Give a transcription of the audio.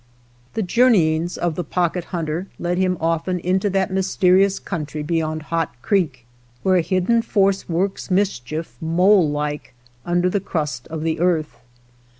The journeyings of the Pocket Hunter led him often into that mysterious country beyond Hot Creek where a hidden force works mischief, mole like, under the crust of the earth.